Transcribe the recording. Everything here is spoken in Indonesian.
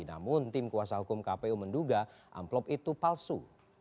namun tim kuasa hukum kpu menduga amplop itu palsu